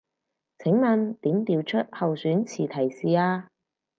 請問點調出候選詞提示啊